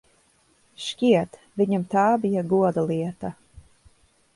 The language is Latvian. Šķiet, viņam tā bija goda lieta.